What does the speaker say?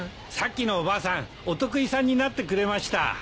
さっきのおばあさんお得意さんになってくれました。